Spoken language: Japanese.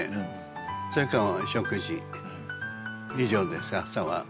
それからお食事以上です朝は。